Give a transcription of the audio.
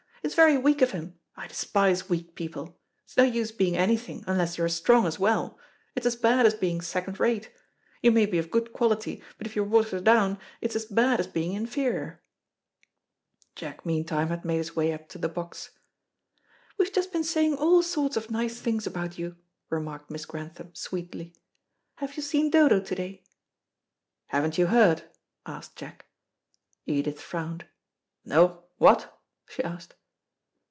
It's very weak of him I despise weak people. It's no use being anything, unless you're strong as well; it's as bad as being second rate. You may be of good quality, but if you're watered down, it's as bad as being inferior." Jack meantime had made his way up to the box. "We've just been saying all sorts of nice things about you," remarked Miss Grantham sweetly. "Have you seen Dodo to day?" "Haven't you heard?" asked Jack. Edith frowned. "No; what?" she asked.